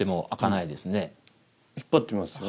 引っ張ってみますよ。